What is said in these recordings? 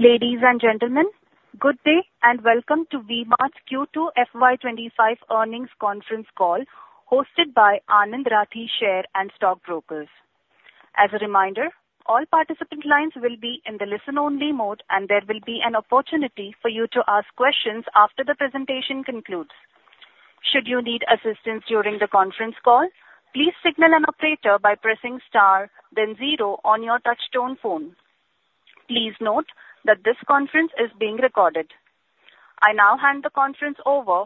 Ladies and gentlemen, good day and welcome to V-Mart's Q2 FY 2025 Earnings Conference Call hosted by Anand Rathi Share and Stock Brokers. As a reminder, all participant lines will be in the listen only mode and there will be an opportunity for you to ask questions after the presentation concludes. Should you need assistance during the conference call, please signal an operator by pressing Star then zero on your touchtone phone. Please note that this conference is being recorded. I now hand the conference over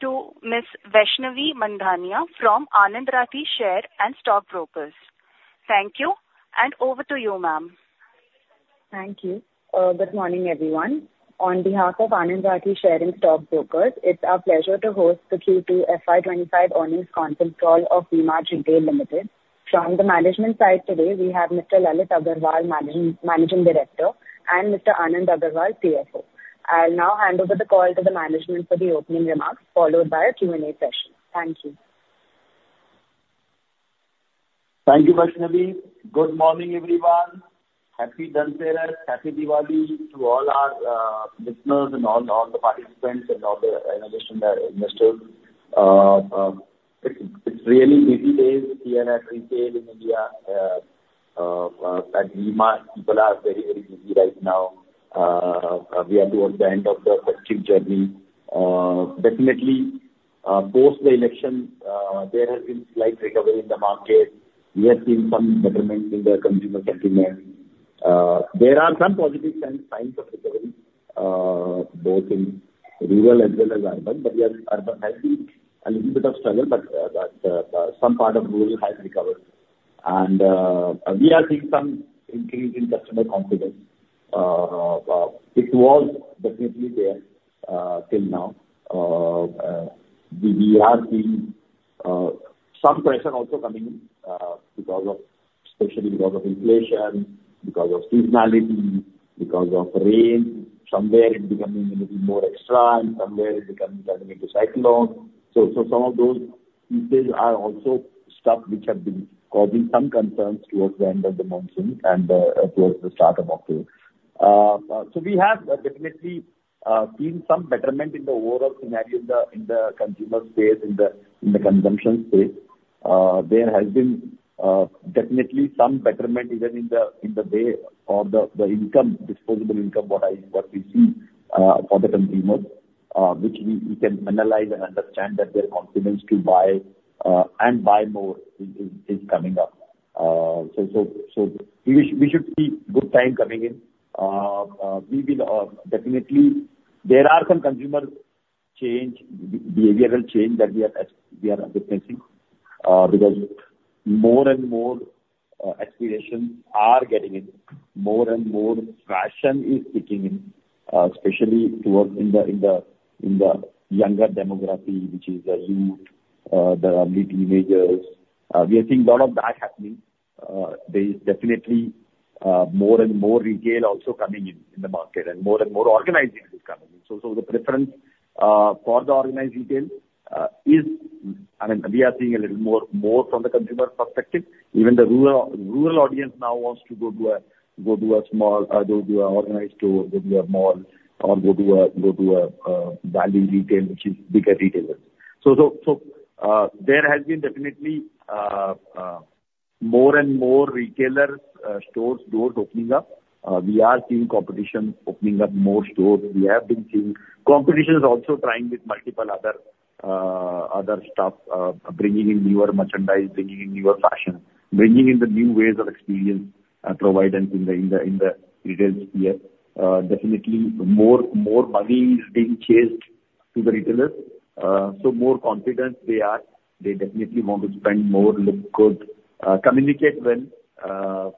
to Ms. Vaishnavi Mandhaniya from Anand Rathi Share and Stock Brokers. Thank you. And over to you, ma'am. Thank you. Good morning everyone. On behalf of Anand Rathi Share and Stock Brokers, it's our pleasure to host the Q2 FY 2025 earnings conference call of V-Mart Retail Ltd. From the management side today we have Mr. Lalit Agarwal, Managing Director and Mr. Anand Agarwal, CFO. I'll now hand over the call to the management for the opening remarks followed by Q&A session. Thank you. Thank you Vaishnavi. Good morning everyone. Happy Dussehra, Happy Diwali to all our listeners and all the participants and all the. It's really busy days here at retail in India at V-Mart. People are very, very busy right now. We are towards the end of the journey. Definitely post the election there has been slight recovery in the market. We have seen some betterment in the consumer sentiment. There are some positive signs of recovery. Both in rural as well as urban. But yes, urban has been a little bit of struggle. But some part of rural has recovered and we are seeing some increase in customer confidence. It was definitely there till now. We are seeing some pressure also coming in because of. Especially because of inflation, because of seasonality, because of rain. Somewhere it's becoming a little more extra and somewhere into cyclone. So some of those pieces are also stuff which have been causing some concerns towards the end of the month and towards the start of October. So we have definitely seen some betterment in the overall scenario in the consumer space, in the consumption space. There has been definitely some betterment even in the way or the income, disposable income. What we see for the consumers which we can analyze and understand that their confidence to buy and buy more is coming up. So we should see good time coming in. We will definitely. There are some consumers change, behavioral change that we are experiencing because more and more explorations are getting in. More and more fashion is kicking in especially towards the younger demography which is a youth, the teenagers. We are seeing a lot of that happening. There is definitely more and more retail also coming in the market and more and more organized retail coming. So the preference for the organized retail is. I mean we are seeing a little more from the consumer perspective. Even the rural audience now wants to go to a small, go to an organized store, go to a value retail which is bigger retailers. So there has been definitely more and more retailers' stores' doors opening up. We are seeing competition opening up more stores. We have been seeing competition is also trying with multiple other stuff bringing in newer merchandise, bringing in newer fashion. Bringing in the new ways of experience. Providing in the retail sphere. Definitely more money is being chased to the retailers, so more confident they are definitely want to spend more, look-- Good, communicate well,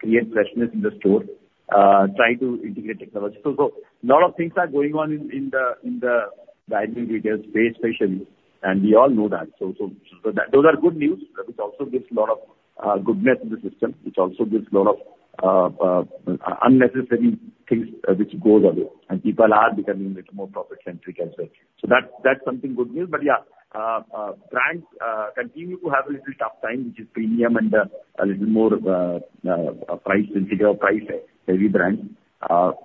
create freshness in the store, try to integrate technology. So a lot of things are going on in the Indian retail space especially and we all know that. So those are good news which also gives a lot of goodness to the system which also gives a lot of unnecessary things which goes away and people are becoming a little more profit centric as such. So that's some good news. But yeah, brands continue to have a little tough time, which is premium and a little more price sensitive, price heavy brands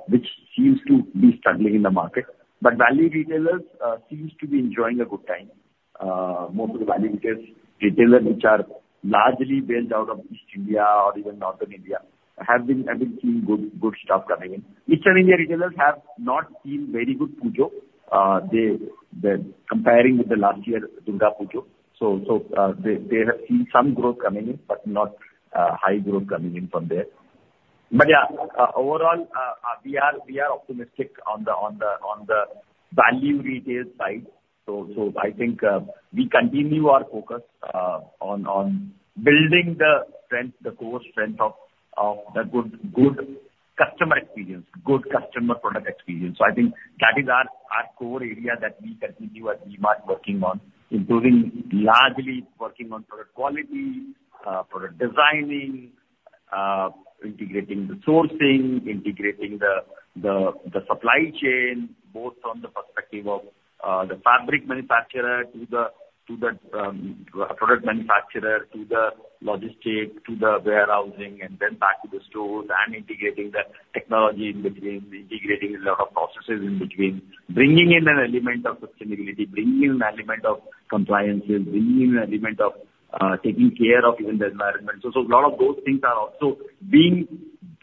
which seems to be struggling in the market. But value retailers seem to be enjoying a good time. Most of the value retailers, retailers which are largely built out of East India or even Northern India have been seeing good stuff coming in. Eastern India retailers have not seen very good Puja comparing with the last year Durga Puja. So they have seen some growth coming in, but not high growth coming in from there, but yeah, overall we are optimistic on the value retail side. I think we continue our focus on building the strength, the core strength of the good customer experience, good customer product experience. I think that is our core area that we continue at V-Mart working on improving, largely working on product quality, product designing, integrating the sourcing, integrating the supply chain, both from the perspective of the fabric manufacturer to the product manufacturer to the logistics to the warehousing and then back to the stores and integrating the technology in between. Integrating a lot of processes in between. Bringing in an element of sustainability, bringing in an element of compliance, bringing in an element of taking care of even the environment. So a lot of those things are also being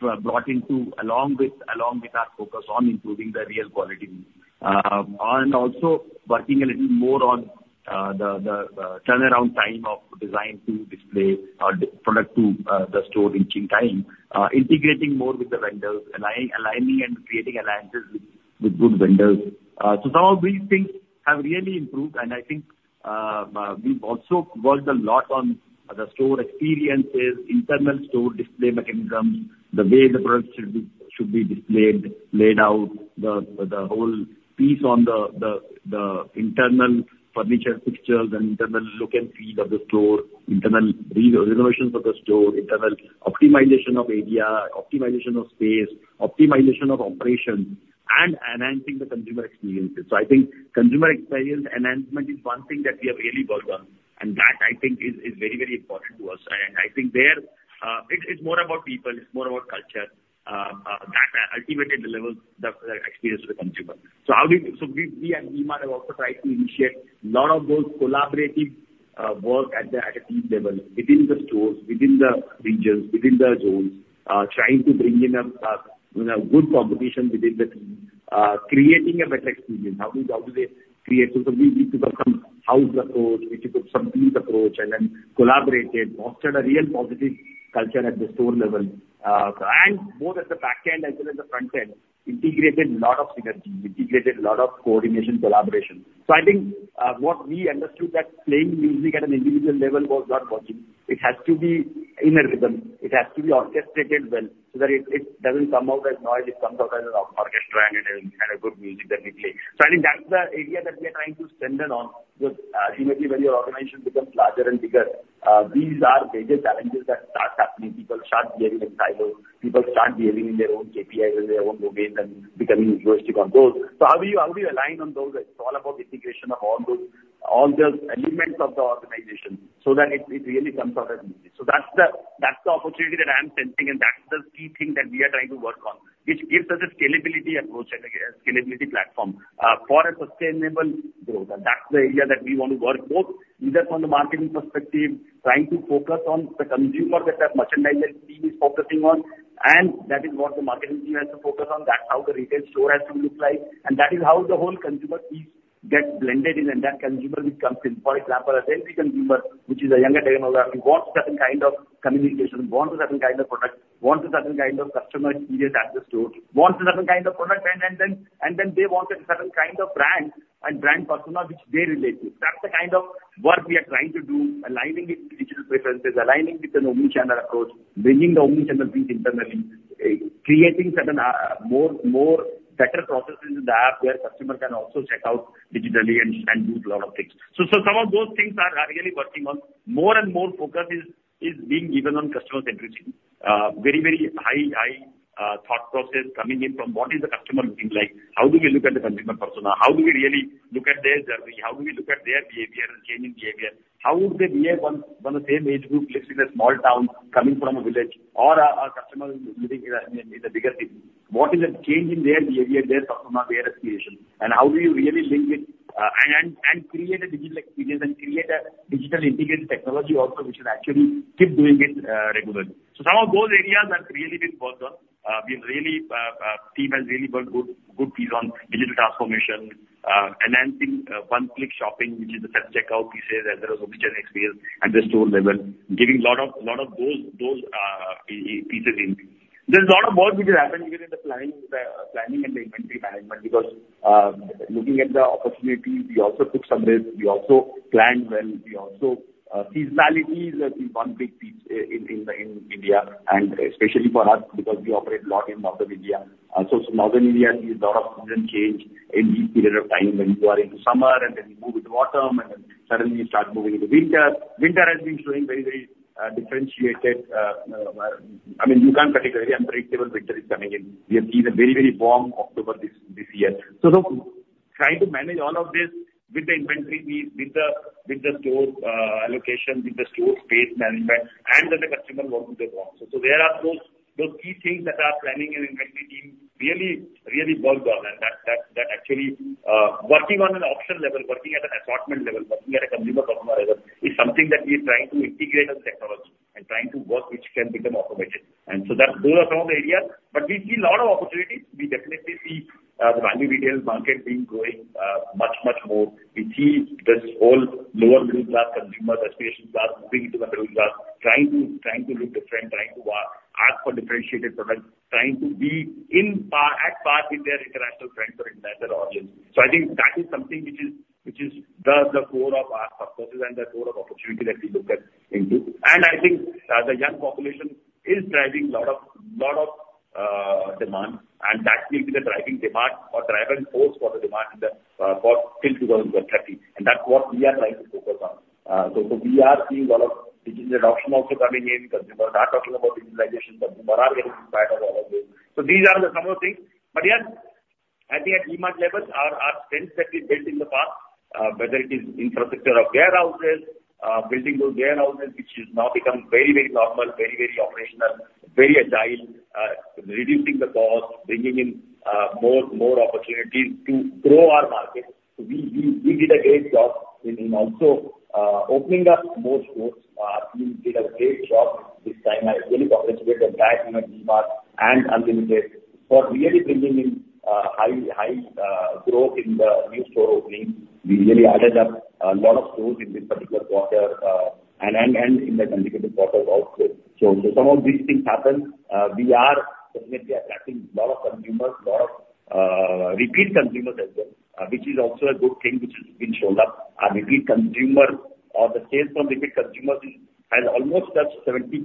brought into along with our focus on improving the real quality and also working a little more on the turnaround time of design to display product to the store in chain time. Integrating more with the vendors, aligning and creating alliances with good vendors. So some of these things have really improved, and I think we've also worked a lot on the store experiences. Internal store display mechanisms, the way the product should be displayed, laid out the whole piece on the internal furniture fixtures, Internal look and feel of the store, internal reservations of the store. Optimization of area, optimization of space, optimization of operations and enhancing the consumer experiences. So I think consumer experience enhancement is one thing that we have really worked on and that I think is very, very important to us. And I think there it's more about people, it's more about culture that ultimately delivers the experience of the consumer. So how did we at V-Mart have also tried to initiate lot of those collaborative work at a team level within the stores, within the regions, within the zones, trying to bring in good competition within the team, creating a better experience. How do they create? We need to house the store, which took some approach and then collaborated, fostered a real positive culture at the store level and both at the back end as well as the front end integrated a lot of synergies. Lot of coordination, collaboration. I think what we understood that playing music at an individual level was not logical. It has to be in a rhythm, it has to be orchestrated well so that it doesn't come out as noise, it comes out as an orchestra and a good music that we play. I think that's the area that we are trying to center on. As your organization becomes larger and bigger, these are major challenges that start happening. People start behaving in silos, people start behaving in their own KPIs and their own domains and becoming. So how do you align on those? It's all about integration of all the elements of the organization so that it really comes out as easy. That's the opportunity that I'm sensing and that's the key thing that we are trying to work on which gives us a scalability approach, scalability platform. For a sustainable, that's the area that we want to work both either from the marketing perspective, trying to focus on the consumer that the merchandise team is focusing on. And that is what the marketing team has to focus on. That's how the retail store has to look like and that is how the whole consumer piece gets blended in. And that consumer comes in. For example, a Gen Z consumer, which is a younger, wants certain kind of communication, wants a certain kind of product, wants a certain kind of customer experience at the store, wants a certain kind of product and then, and then they wanted certain kind of brand and brand persona which they relate to. That's the kind of work we are trying to do. Aligning with digital preferences, aligning with an omnichannel approach, bringing the omnichannel things internally creating more better processes in the app where customer can also check out digitally and do a lot of things. So some of those things are really working on. More and more focus is being given on customer centricity. Very, very high thought process coming in from what is the customer looking like? How do we look at the consumer persona? How do we really look at their journey? How do we look at their behavior and changing behavior? How would they behave from the same age group lives in a small town, coming from a village or a customer living in a bigger city? What is the change in their behavior, their customer, their appreciation and how do you really link it and create a digital experience and create a digital integrated technology also which is actually giving keep doing it regularly. So some of those areas have really been worked on. The retail team has really built a good piece on digital transformation, enhancing one-click shopping, which is the self-checkout pieces, as well as the in-store experience at the store level, giving a lot of those pieces in. There's a lot of work which is happening within the planning and the inventory management, because looking at the opportunity, we also took some risk. We also planned well. Seasonality is one big piece in India and especially for us because we operate a lot in North India. So North India sees a lot of season change in this period of time when you are in summer and then you move into autumn and then suddenly you start moving in the winter. Winter has been showing very, very differentiated. I mean you can't predict. Very unpredictable winter is coming in. We have seen a very very warm October. This so try to manage all of this with the inventory, with the store allocation, with the store space management and that the customer wants to. So there are those key things that the planning and inventory team really worked on and that actually working on an option level, working at an assortment level, working at a consumer customer level is something that we are trying to integrate as technology and trying to work which can become automated. And so that goes across the area. But we see a lot of opportunities. We definitely see the value retail market being going much, much more. We see these lower middle class consumers' aspirations are moving to the middle class, trying to look different, trying to ask for differentiated products, trying to be at par with their international friends or audience, so I think that is something which is the core of our successes and the core of opportunity that we look at, and I think the young population is driving a lot of demand and that will be the driving demand or driving force for the demand till 2030. That's what we are trying to focus on, so we are seeing a lot of digital adoption also coming in. Consumers are talking about utilization, consumers are getting inspired. So these are some of the things. But yes, I think at all levels our strengths that we built in the past, whether it is infrastructure of warehouses, building those warehouses which is now become very, very normal, very very operational, very agile, reducing the cost, bringing in more opportunities to grow our market. We did a great job in also opening up more stores. We did a great job this time. I really congratulated the team and Unlimited for really bringing in high growth in the new store opening. We really added up a lot of stores in this particular quarter and in the consecutive quarters also. So some of these things happen. We are definitely attracting a lot of consumers, lot of repeat consumers as well, which is also a good thing which has been showing up. Repeat consumer or the sales from repeat consumers has almost touched 70%.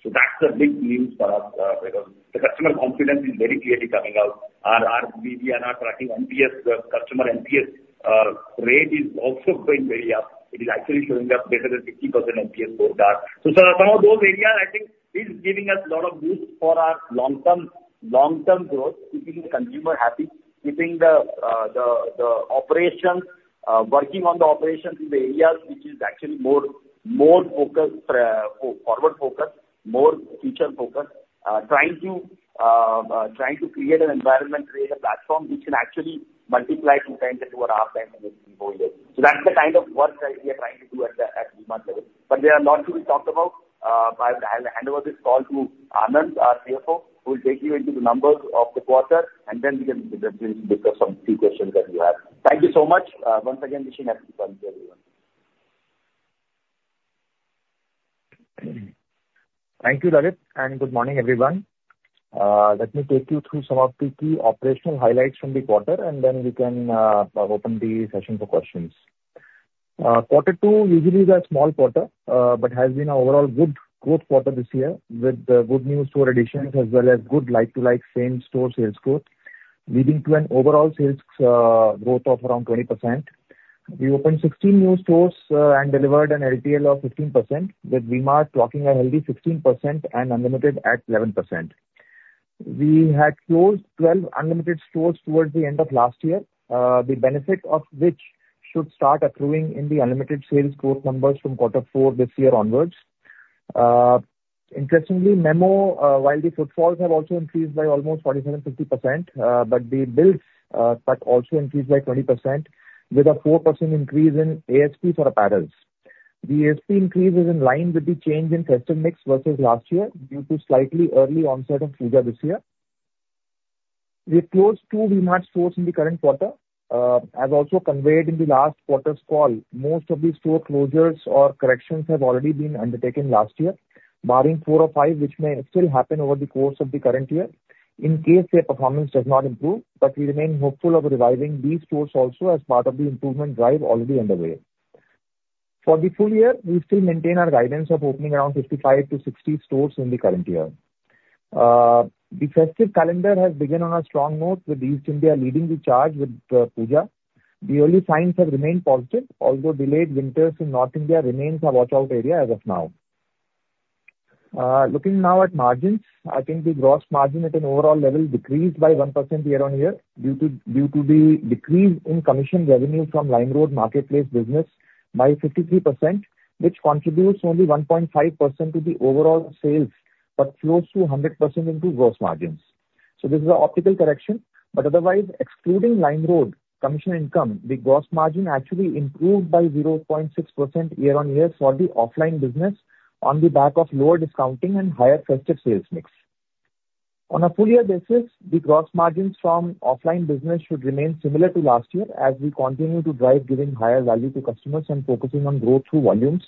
So that's a big news for us because the customer confidence is very clearly coming out. We are now tracking customer NPS. Rate is also going very up. It is actually showing up better than 60% NPS so far. So some of those areas I think is giving us a lot of boost for our long term, long term growth. Keeping the consumer happy, keeping the operations, working on the operations in the areas which is actually more forward-focused more feature focused, trying to create an environment, create a platform which can actually multiply 2x into 0.5x with, so that's the kind of work that we are trying to do at level. There are a lot to be talked about. I'll hand over this call to Anand, our CFO, who will take you into the numbers of the quarter, and then we can discuss some few questions that you have. Thank you so much. Once again wishing Happy Diwali, everyone. Thank you Lalit and good morning everyone. Let me take you through some of the key operational highlights from the quarter and then we can open the session for questions. Quarter two usually is a small quarter but has been overall good growth quarter this year with good new store additions as well as good like-to-like same store sales growth leading to an overall sales growth of around 20%. We opened 16 new stores and delivered an LTL of 15% with V-Mart clocking a healthy 16% and Unlimited at 11%. We had closed 12 Unlimited stores towards the end of last year, the benefit of which should start accruing in the Unlimited sales growth numbers from quarter four this year onwards. Interestingly, meanwhile while the footfalls have also increased by almost 47%-50% but the bill but also increased by 20% with a 4% increase in ASP for apparel. The ASP increase is in line with the change in product mix versus last year due to slightly early onset of Dussehra this year we closed two V-Mart stores in the current quarter as also conveyed in the last quarter's call. Most of these store closures or corrections have already been undertaken last year barring four or five which may still happen over the course of the current year in case their performance does not improve. But we remain hopeful of reviving these stores also as part of the improvement drive already underway for the full year. We still maintain our guidance of opening around 55-60 stores in the current year. The festive calendar has begun on a strong note with East India leading the charge with Puja. The early signs have remained positive although delayed winters in North India remains a watch out area as of now. Looking now at margins, I think the gross margin at an overall level decreased by 1% year-on-year due to the decrease in commission revenue from LimeRoad marketplace business by 53% which contributes only 1.5% to the overall sales but close to 100% into gross margins. So this is an optical correction but otherwise excluding LimeRoad commission income, the gross margin actually improved by 0.6% year-on-year for the offline business on the back of lower discounting and higher festive sales mix. On a full year basis, the gross margins from offline business should remain similar to last year as we continue to drive giving higher value to customers and focusing on growth through volumes.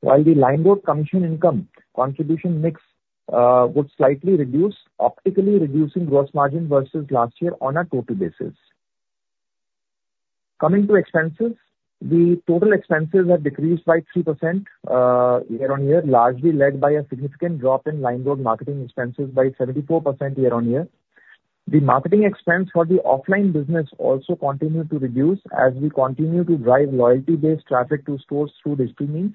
While the LimeRoad commission income contribution mix would slightly reduce optically reducing gross margin versus last year on a total basis. Coming to expenses, the total expenses have decreased by 3% year-on-year largely led by a significant drop in LimeRoad marketing expenses by 74% year-on-year. The marketing expense for the offline business also continued to reduce as we continue to drive loyalty based traffic to stores through digital means.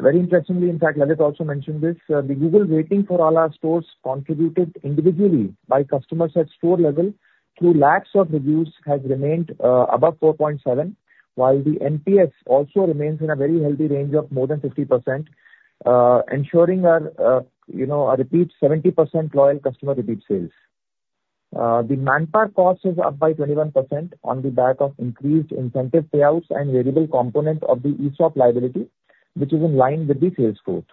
Very interestingly, in fact, Lalit also mentioned this: the Google rating for all our stores, contributed individually by customers at store level through lakhs of reviews, has remained above 4.7, while the NPS also remains in a very healthy range of more than 50%, ensuring a repeat 70% loyal customer repeat sales. The manpower cost is up by 21% on the back of increased incentive payouts and variable component of the ESOP liability, which is in line with the sales growth.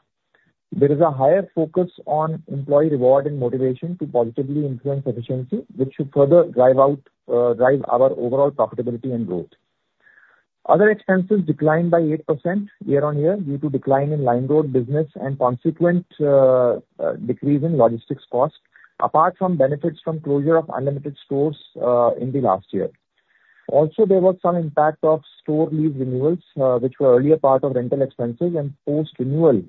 There is a higher focus on employee reward and motivation to positively influence efficiency, which should further drive our overall profitability and growth. Other expenses declined by 8% year-on-year due to decline in LimeRoad business and consequent decrease in logistics cost apart from benefits from closure of Unlimited stores in the last year. Also there was some impact of store lease renewals which were earlier part of rental expenses and post renewal.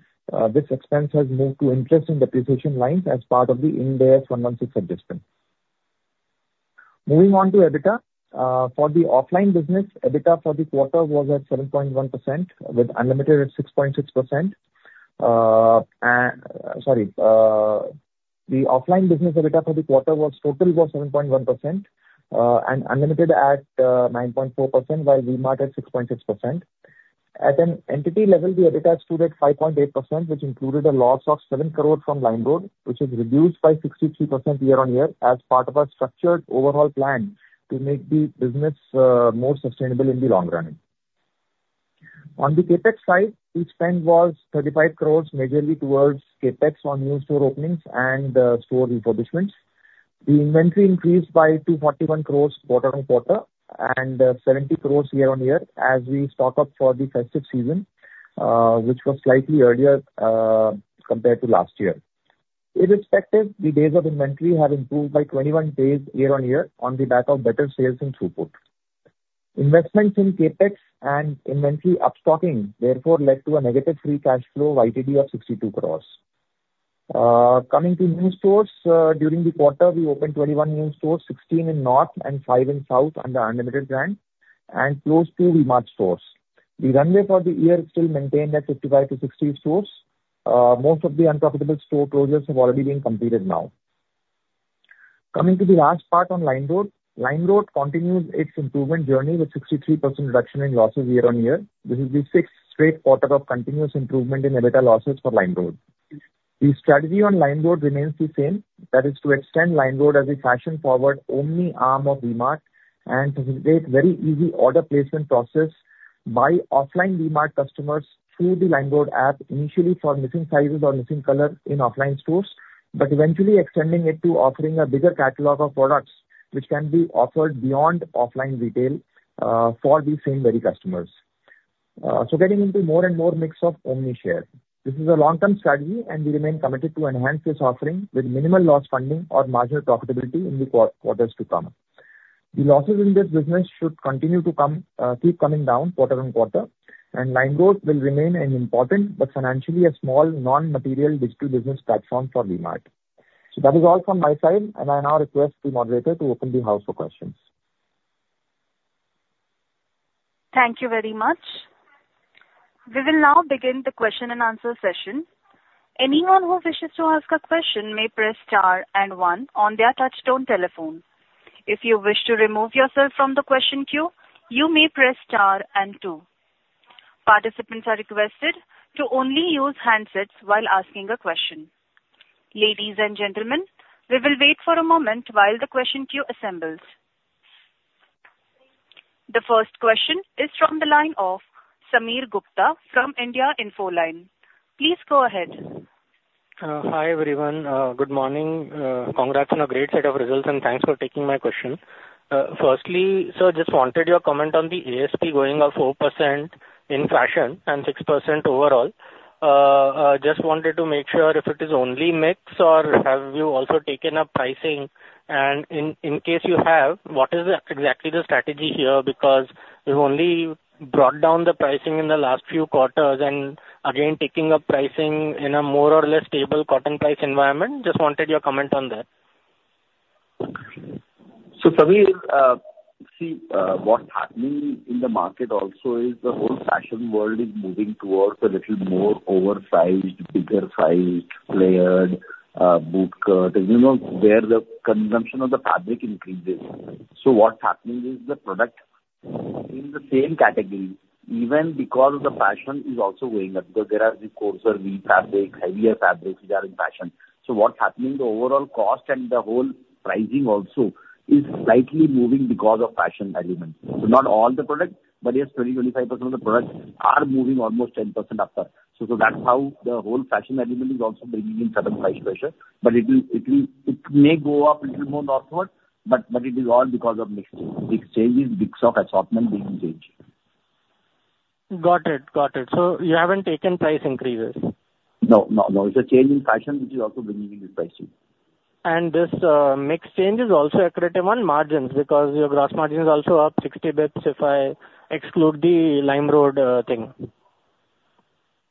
This expense has moved to interest and depreciation lines as part of the Ind AS 116 adjustment. Moving on to EBITDA for the offline business EBITDA for the quarter was at 7.1% with Unlimited at 6.6%. Sorry, the offline business EBITDA for the quarter was total was 7.1% and Unlimited at 9.4% while V-Mart at 6.6%. At an entity level the EBITDA stood at 5.8% which included a loss of 7 crore from LimeRoad which is reduced by 63% year-on-year as part of our structured overall plan to make the business more sustainable in the long running. On the CapEx side each spend was 35 crores majorly towards capex on new store openings and store refurbishments. The inventory increased by 241 crores quarter-on-quarter and 70 crores year-on-year as we stock up for the festive season which was slightly earlier compared to last year. Irrespective, the days of inventory have improved by 21 days year-on-year on the back of better sales and throughput. Investments in CapEx and inventory upstocking therefore led to a negative free cash flow YTD of 62 crores. Coming to new stores during the quarter, we opened 21 new stores, 16 in North and 5 in South under Unlimited brand, and closed two V-Mart stores. The runway for the year is still maintained at 55-60 stores. Most of the unprofitable store closures have already been completed. Now coming to the last part on LimeRoad growth. LimeRoad growth continues its improvement journey with 63% reduction in losses year-on-year. This is the sixth straight quarter of continuous improvement in EBITDA losses for LimeRoad. The strategy on LimeRoad remains the same that is to extend LimeRoad as a fashion forward only arm of V-Mart and facilitate very easy order placement process by offline V-Mart customers through the LimeRoad app initially for missing sizes or missing color in offline stores but eventually extending it to offering a bigger catalog of products which can be offered beyond offline retail for these same very customers. So getting into more and more mix of omnichannel. This is a long term strategy and we remain committed to enhance this offering with minimal loss funding or marginal profitability in the quarters to come. The losses in this business should continue to keep coming down quarter-on-quarter, and LimeRoad will remain an important but financially a small non-material digital business platform for V-Mart. So that is all from my side, and I now request the moderator to open the house for questions. Thank you very much. We will now begin the question and answer session. Anyone who wishes to ask a question may press Star and one on their touch-tone telephone. If you wish to remove yourself from the question queue, you may press Star and two. Participants are requested to only use handsets while asking a question. Ladies and gentlemen, we will wait for a moment while the question queue assembles. The first question is from the line of Sameer Gupta from India Infoline. Please go ahead. Hi everyone. Good morning. Congrats on a great set of results and thanks for taking my question. Firstly sir, just wanted your comments on the ASP going up 4% in fashion and 6% overall. Just wanted to make sure if it is only mix or have you also taken up pricing and in case you have, what is exactly the strategy here because we've only brought down the pricing in the last few quarters and again taking up pricing in a more or less stable cotton price environment. Just wanted your comment on that. So, Sameer, see what's happening in the market also is the whole fashion world is moving towards a little more oversized, bigger sized layered bootcut where the consumption of the fabric increases. So, what's happening is the product in the same category even because the fashion is also going up because there are the coarser weave fabric, heavier fabrics which are in fashion. So, what's happening? The overall cost and the whole pricing also is slightly moving because of fashion elements, not all the product. But yes, 20%-25% of the products are moving almost 10% upper. So, that's how the whole fashion element is also bringing in certain price pressure. But it will. It may go up a little more northward but. But it is all because of mix changes. Assortment being changed. Got it, got it. So you haven't taken price increases? No, no, no. It's a change in fashion which is also bringing in pricing. And this mix change is also accretive on margins because your gross margin is also up 60 bps. If I exclude the LimeRoad thing.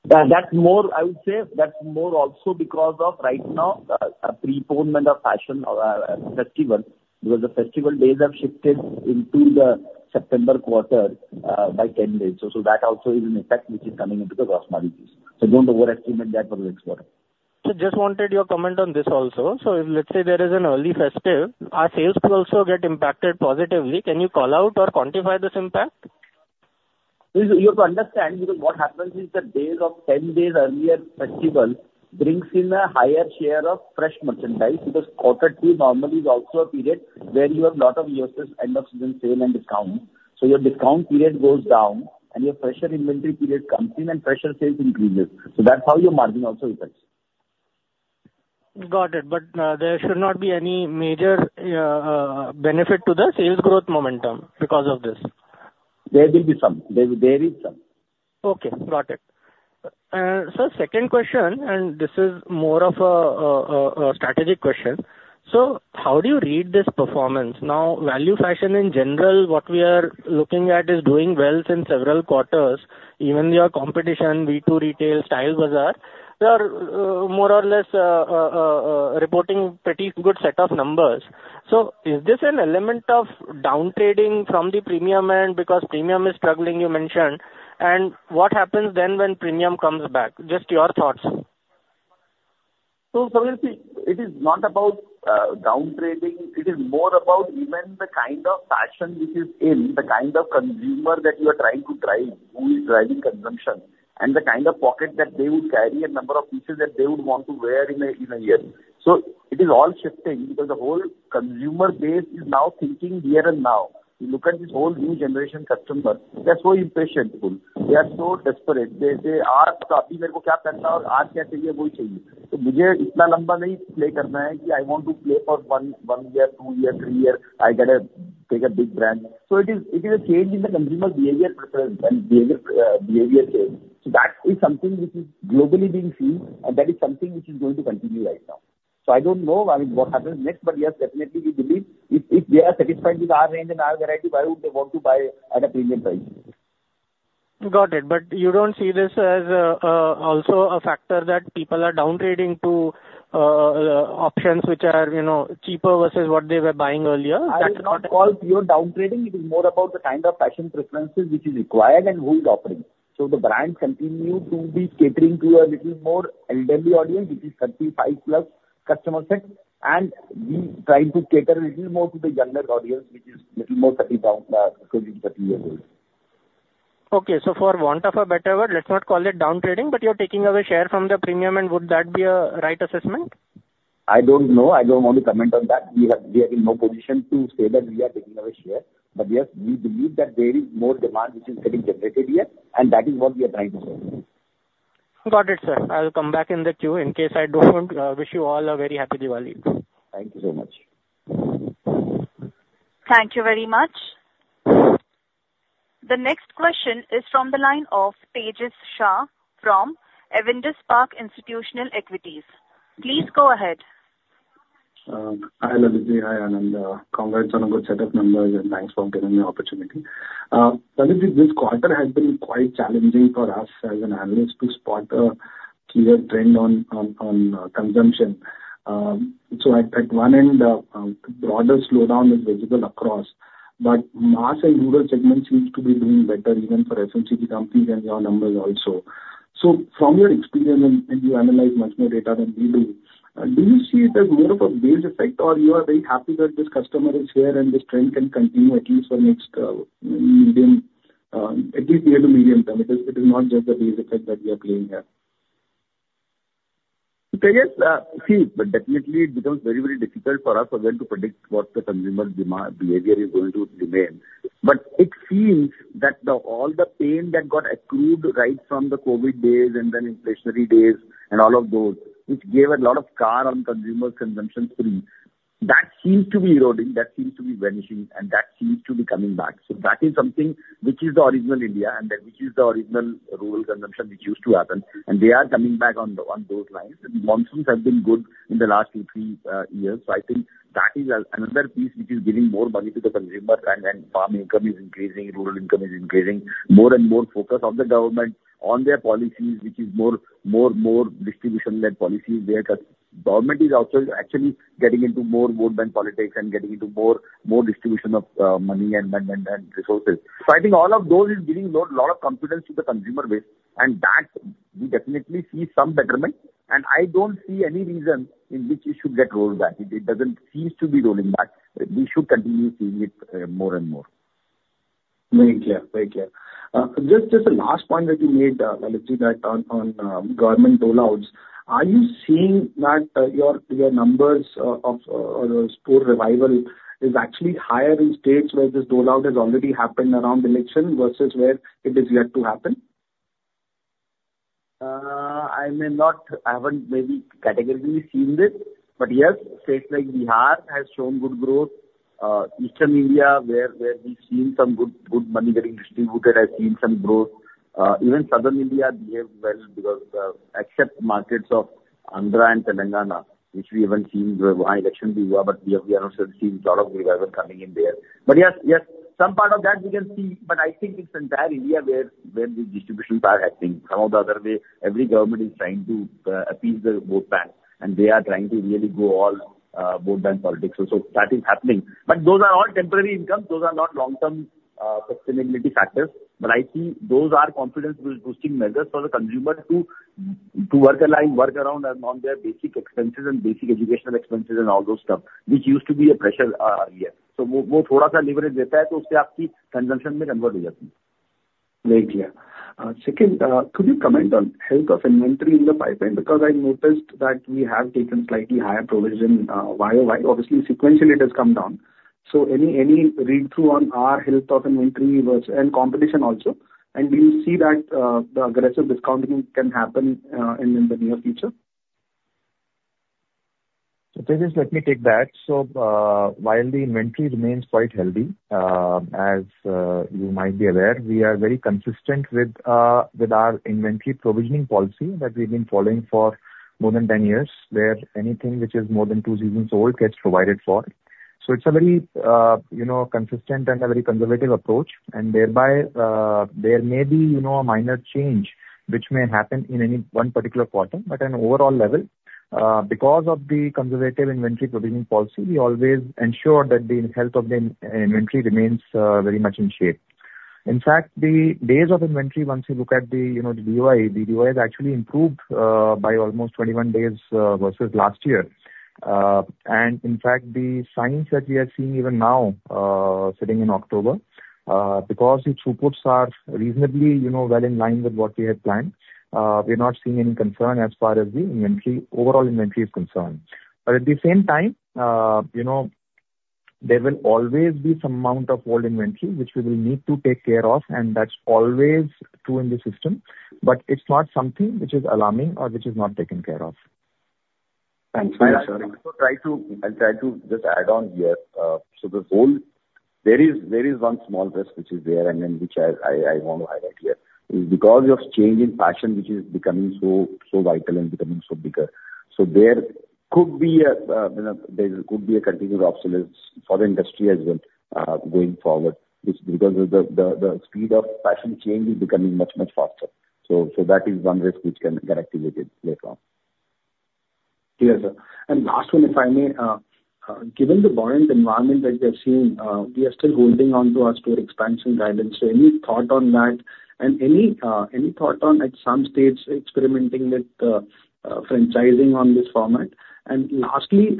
That more, I would say, that's more also, because of right now a preponement of fashion festival because the festival days have shifted into the September quarter by 10 days. So that also is an effect which is coming into the gross margin. So don't overestimate that for the next quarter. Just wanted your comment on this also. If let's say there is an early festive, our sales could also get impacted positively. Can you call out or quantify this impact? You have to understand because what happens is the days of 10 days earlier festival brings in a higher share of fresh merchandise because quarter two normally also a period where you have lot of EOSS end of season sale and discount. So your discount period goes down and your fresh inventory period comes in and fresh sales increases. So that's how your margin also. Got it. But there should not be any major benefit to the sales growth momentum because of this. There will be some. There is some. Okay, got it. Second question and this is more of a strategic question. How do you read this performance now? Value fashion in general? What we are looking at is doing well in several quarters. Even your competition V2 Retail Style Baazar, they are more or less reporting pretty good set of numbers. Is this an element of down trading from the premium end? Because premium is struggling you mentioned. What happens then when premium comes back? Just your thoughts. So Sameer, it is not about down trading. It is more about even the kind of fashion which is in the kind of consumer that you are trying to drive, who is driving consumption and the kind of pocket that they would carry a number of pieces that they would want to wear in a year. So it is all shifting because the whole consumer base is now thinking here and now. You look at this whole new generation customer. That's why you're impatient. They are so desperate. I want to plan for one year, two year, three year. I got to take a big brand. So it is, it is a change in the consumer behavior, behavior change. So that is something which is globally being seen and that is something which is going to continue right now. So I don't know, I mean what happens next? But yes, definitely we believe if they are satisfied with our range and our variety, why would they want to buy at a premium price? Got it. But you don't see this as also a factor that people are down trading to options which are, you know, cheaper versus what they were buying earlier? Down trading, it is more about the kind of fashion preferences which is required and who is offering. So the brand continue to be catering to a little more elderly audience which is 35+ customer set and we trying to cater a little more to the younger audience which is. Okay, so for want of a better word, let's not call it down trading but you're taking away share from the premium and would that be a right assessment? I don't know. I don't want to comment on that. We have, we are in no position to say that we are taking our share. But yes, we believe that there is more demand which is getting generated here and that is what we are trying to say. Got it sir. I'll come back in the queue in case I don't wish you all a very Happy Diwali. Thank you so much. Thank you very much. The next question is from the line of Tejas Shah from Avendus Spark Institutional Equities. Please go ahead. Hi Lalitji, Anand. Congrats on a good set of numbers. Thanks for giving me the opportunity. This quarter has been quite challenging for us as an analyst to spot a trend on consumption. So, at one end, broader slowdown is visibility across, but mass and rural segment seems to be doing better even for FMCG companies and your numbers also. So, from your experience and you analyze much more data than we do. Do you see it as more of a base effect or you are very happy that this customer is here and this trend can continue at least for next, at least near the medium term? It is not just the base effect that we are playing here. Definitely, it becomes very, very difficult for us again to predict what the consumer demand behavior is going to remain, but it seems that all the pain that got accrued right from the COVID days and then inflationary days and all of those which gave a lot of curb on consumer consumption spree that seems to be eroding, that seems to be vanishing, and that seems to be coming back, so that is something which is the original Indian and then which is the original rural consumption which used to happen, and they are coming back on those lines. Monsoons have been good in the last two, three years. I think that is another piece which is giving more money to the consumer, and farm income is increasing. Rural income is increasing. More and more focus on the government, on their policies, which is more distribution-led policies. Government is also actually getting into morevote bank politics and getting into more distribution of money and resources. So I think all of those is giving a lot of confidence to the consumer base, and that we definitely see some betterment. And I don't see any reason in which you should get rolled back. It doesn't seem to be rolling back. We should continue seeing it more and more. Very clear, thank you. Just the last point that you made on government lockdowns. Are you seeing that your store numbers or sort of revival is actually higher in states where this Dussehra has already happened around election versus where it is yet to happen? I may not. I haven't maybe categorically seen this. But yes, states like Bihar has shown good growth. East India where we've seen some good money getting distributed has seen some growth. Even South India behaved well because except markets of Andhra and Telangana which we haven't seen election fever but we have seen a lot of revival coming in there. But yes, yes some part of that we can see but I think it's entire India where the distributions are acting in some other way. Every government is trying to appease the vote bank and they are trying to really go all vote bank politics. So that is happening. But those are all temporary income. Those are not long-term sustainability factors. But I see those are confidence boosting measures for the consumer to work around on their basic expenses and basic educational expenses and all those. Stuff which used to be a pressure. So, consumption very clear. Second, could you comment on health of inventory in the pipeline because I noticed that we have taken slightly higher provision while obviously sequentially it has come down. Any read-through on our health of inventory versus the competition also? Do you see that the aggressive discounting can happen in the near future? Let me take that. So while the inventory remains quite healthy, as you might be aware, we are very consistent with our inventory provisioning policy that we've been following for more than 10 years where anything which is more than two seasons old gets provided for. So it's a very, you know, consistent and a very conservative approach and thereby there may be you know a minor change which may happen in any one particular quarter but an overall level because of the conservative inventory provisioning policy, we always ensure that the health of the inventory remains very much in shape. In fact the days of inventory, once you look at the, you know, DOI actually improved by almost 21 days versus last year. And in fact the signs that we are seeing even now sitting in October because the throughputs are reasonably well in line with what we had planned. We're not seeing any concern as far as the overall inventory is concerned. But at the same time. There will always be some amount of old inventory which we will need to take care of. And that's always true in the system. But it's not something which is alarming. Or, which is not taken care of. Thanks. I'll try to just add on here. There is one small risk which is there and which I want to highlight here because of change in fashion which is becoming so vital and becoming so bigger. So there could be a continued obstacle for the industry as well going forward because the speed of fashion change is becoming much, much faster. So that is one risk which can get activated later on. Yes. And last one if I may. Given the buoyant environment that we have seen, we are still holding on to our store expansion guidance. So, any thought on that, and any thought on, at some stage, experimenting with franchising on this format? And lastly,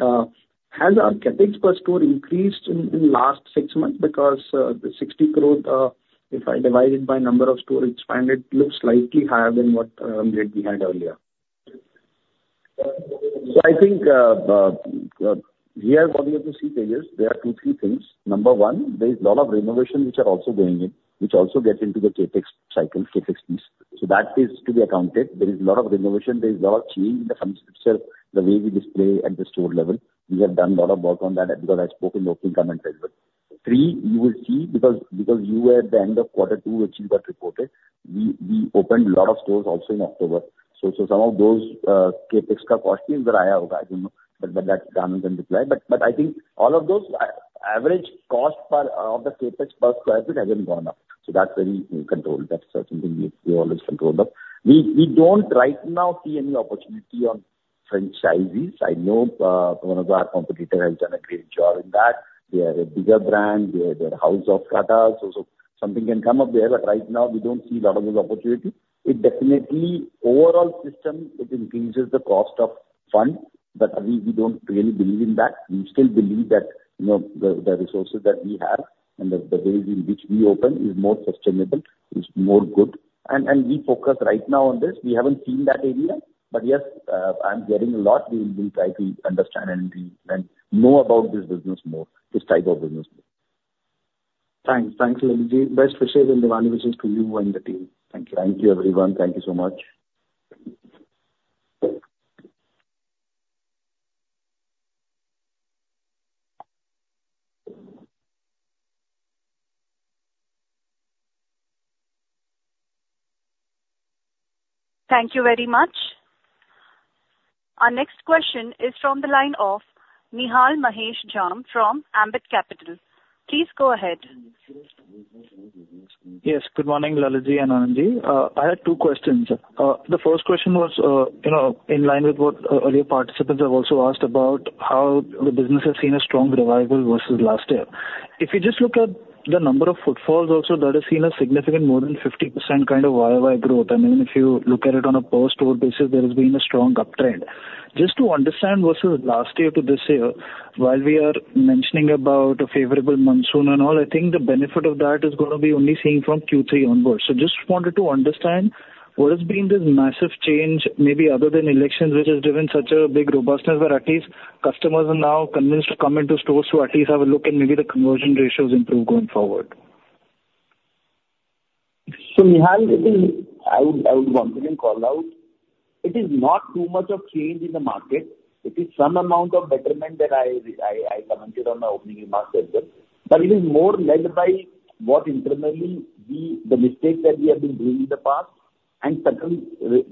has our CapEx per store increased in the last six months? Because the 60 crore. If I divide it by number of stores, it's fine. It looks slightly higher than what we had earlier. I think here what we have to see, there are two, three things. Number one, there is a lot of renovation which are also going in which also get into the CapEx cycle Capex piece. So that is to be accounted. There is a lot of renovation. There is lot of change in the functionality itself, the way we display at the store level. We have done a lot of work on that because I spoke in the opening comment as well. Three, you will see because. Because we were at the end of quarter two which got reported we opened a lot of stores also in October so. So some of those CapEx costs were higher, I don't know but that. But I think all of those average Cost per of the CapEx per square rent hasn't gone up. So that's very in control. That certainly always controlled up. We don't right now see any opportunity on franchisees. I know one of our competitor has done a great job in that they are a bigger brand their House of Tata. So something can come up there. But right now we don't see a lot of those opportunities. It definitely overall system it increases the cost of fund but we don't really believe in that. We still believe that the resources that we have and the ways in which we open is more sustainable is more good and we focus right now on this. We haven't seen that area but yes I'm hearing a lot. We'll try to understand and know about this business more this type of business. Thanks. Best wishes and Diwali wishes to you and the team. Thank you everyone. Thank you so much. Thank you very much. Our next question is from the line of Nihal Mahesh Jham from Ambit Capital. Please go ahead. Yes, good morning Lalit ji and Anand. I had two questions. The first question was, you know, in line with what earlier participants have also asked about how the business has seen a strong revival versus last year. If you just look at the number of footfalls also that has seen a significant more than 50% kind of Y-o-Y growth. I mean if you look at it on a per store basis there has been a strong uptrend just to understand versus last year to this year while we are mentioning about a favorable monsoon and all I think the benefit of that is going to be only seen from Q3 onwards. So just wanted to understand what has been this massive change maybe other than elections which has driven such a big robustness where at least customers are now convinced to come into stores to it. Let's have a look and maybe the conversion ratios improve going forward. So, Nihal, I would once again call out it is not too much of change in the market. It is some amount of betterment that I commented on my opening remarks as well. But it is more led by what internally the mistakes that we have been doing in the past and certain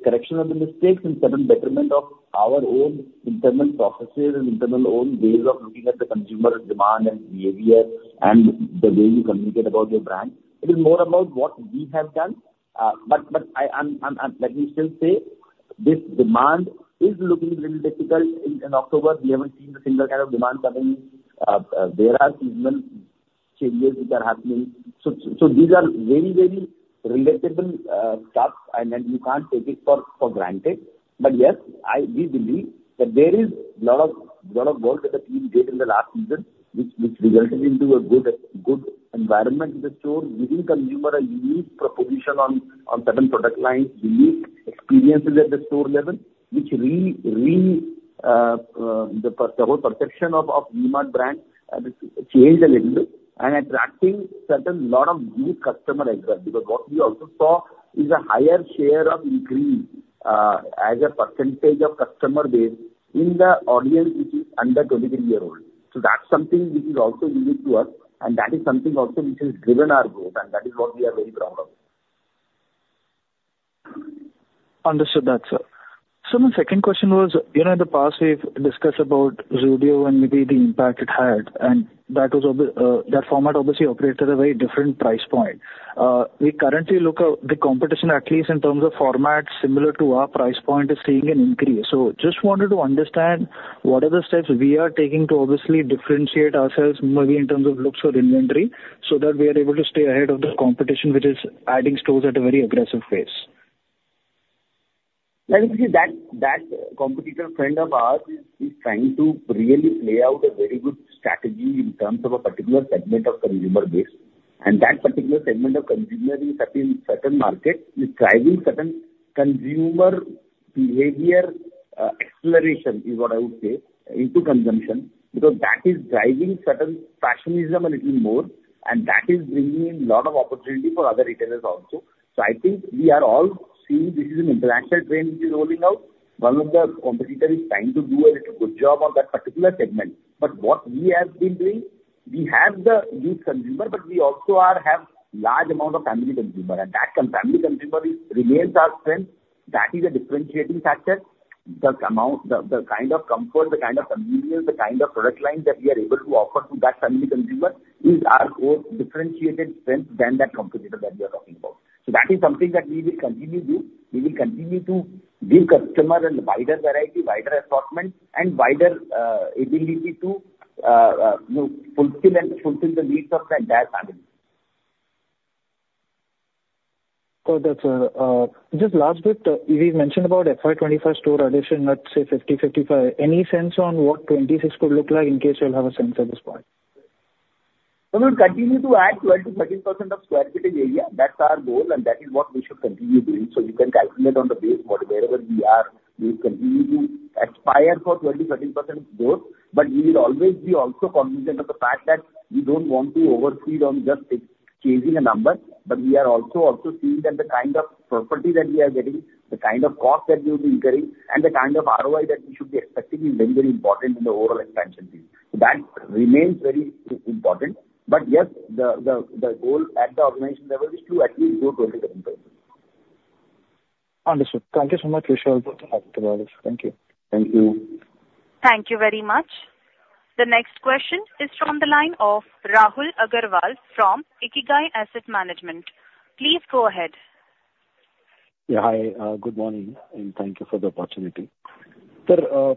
correction of the mistakes and certain betterment of our own internal processes and internal own ways of looking at the consumer demand and behavior and the way you communicate about your brand. It is more about what we have done. But let me still say this demand is looking really difficult in October. We haven't seen the single kind of demand. There are seasonal changes that are happening. So these are very very relatable stuff and you can't take it for granted. But yes, I believe that there is lot of work that the team did in the last season which resulted into a good environment in the store giving consumer a huge proposition on certain product lines, unique experiences at the store level. Which really the whole perception of V-Mart brand changed a little bit and attracting certain lot of new customer as well. Because what we also saw is a higher share of increase as a percentage of customer base in the audience which is under 23-year-old. So that's something which is also unique to us and that is something also which has driven our growth and that is what we are very proud of. Understood that, sir. So my second question was, you know in the past we've discussed about Zudio and maybe the impact it had and that was that format obviously operated a very different price point. We currently look at the competition at least in terms of format similar to our price point is seeing an increase. So just wanted to understand what are the steps we are taking to obviously differentiate ourselves maybe in terms of looks for inventory so that we are able to stay ahead of the competition which is adding stores at a very aggressive pace. That competitor friend of ours is trying to really play out a very good strategy in terms of a particular segment of consumer base, and that particular segment of consumer is certain market is driving certain consumer behavior. Acceleration is what I would say into consumption because that is driving certain fashionism a little more, and that is bringing a lot of opportunity for other retailers also. I think we are all seeing this is an international trend which is rolling out. One of the competitor is trying to do a good job on that particular segment, but what we have been doing, we have the youth consumer but we also have large amount of family consumer, and that family consumer remains our strength. That is a differentiating factor. The kind of comfort, the kind of convenience, the kind of product line that we are able to offer to that family consumer is our differentiated strength than that competitor that we are talking about. So that is something that we will continue to do. We will continue to give customer and wider variety, wider assortment and wider ability to fulfill the needs of that family. Just last bit we mentioned about FY 2025 store addition, let's say 50, 55. Any sense on what 2026 could look like in case you'll have a sense? At this point, continue to add 12%-13% of sq ft area. That's our goal and that is what we should continue doing. You can calculate on the base what wherever we are, you continue to aspire for 20%-30% of both. But we will always be also cognizant of the fact that we don't want to overdo on just changing a number. But we are also seeing that the kind of property that we are getting, the kind of cost that we will be incurring and the kind of ROI that we should be expecting is very, very important in the overall expansion field that remains very important. Yes, the goal at the organization level is to at least go 27%. Understood. Thank you so much. Thank you. Thank you very much. The next question is from the line of Rahul Agarwal from Ikigai Asset Management. Please go ahead. Yeah. Hi, good morning and thank you for the opportunity. Sir,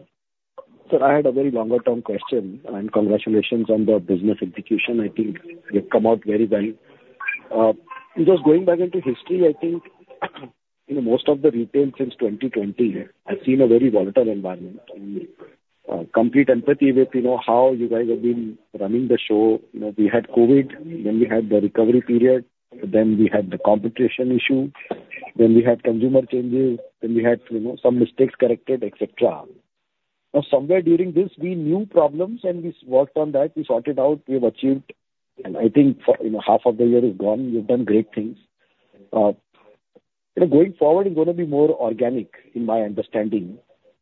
I had a very longer term question and congratulations on the business execution. I think you've come out very well. Just going back into history, I think most of the retail since 2020 has seen a very volatile environment. Complete empathy with, you know how you guys have been running the show. We had COVID. Then we had the recovery period, then we had the competition issues, then we had consumer changes, then we had some mistakes corrected, etc. Now somewhere during this we knew problems and we worked on that we sorted out, we have achieved and I think half of the year is gone. You've done great things going forward. Is going to be more organic in my understanding.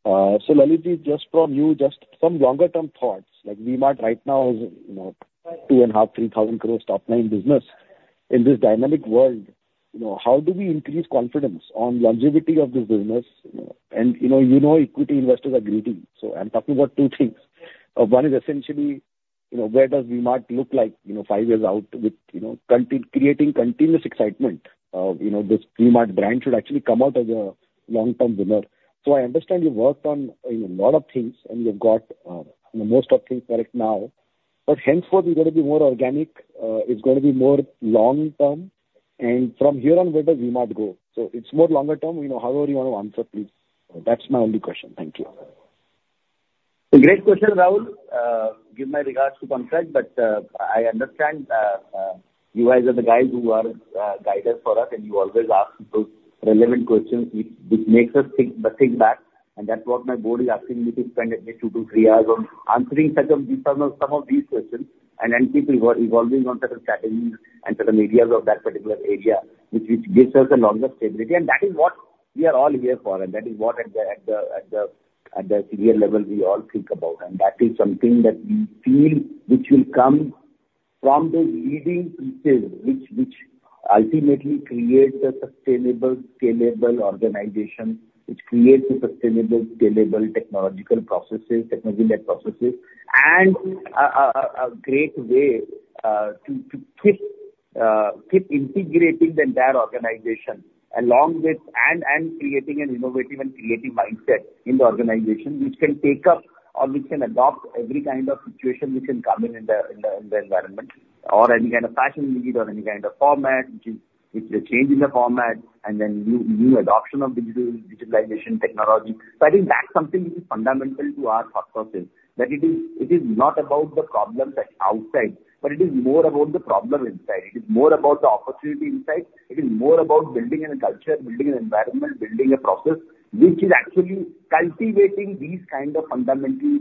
So, Lalit ji, just from you, just some longer term thoughts like V-Mart right now. It's 2.5 crores-3,000 crores top line business in this dynamic world. How do we increase confidence on longevity of this business? And you know equity investors are greedy. So I'm talking about two things. One is essentially where does V-Mart look like five years out with you know creating continuous excitement. You know this brand should actually come out as a long term winner. So I understand you worked on a lot of things and you've got most of things correct now. But henceforth we're going to be more organic, it's going to be more long term and from here on where does V-Mart go? So it's more longer term, you know, however you want to answer please. That's my only question. Thank you. Great question, Rahul. Give my regards to Kenneth, but I understand you guys are the guys who guide us and you always ask those relevant questions which makes us think back and that's what my board is asking me to spend at least two to three hours on answering some of these questions and people are evolving on certain strategies and certain areas of that particular area which gives us a longer stability and that is what we are all here for, and that is what at the senior level we all think about. And that is something that we feel which will come from those leading pieces which ultimately create the sustainable scalable organization which creates a sustainable scalable technological processes, technology led processes and a great way to keep integrating the entire organization along with and creating an innovative and creative mindset in the organization which can take up or which can adopt every kind of situation which can come in the environment or any kind of fashion need or any kind of format which is a change in the format and then new adoption of digitalization technology. I think that's something fundamental to our thought process, that it is not about the problems that are outside but it is more of the problem inside. It is more about the opportunity inside. It is more about building a culture, building an environment, building a process which is actually cultivating these kind of fundamental